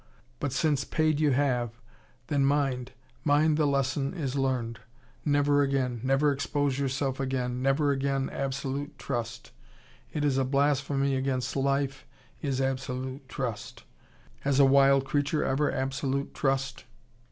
But since paid you have, then mind, mind the lesson is learned. Never again. Never expose yourself again. Never again absolute trust. It is a blasphemy against life, is absolute trust. Has a wild creature ever absolute trust?